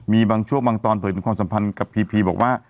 มีบางช่วงบางตอนเผยถึงความสัมพันธ์กับพีพีบอกว่า